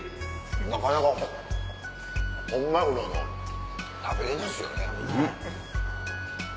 なかなか本マグロの食べれんですよね。